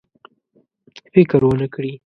فکر ونه کړي.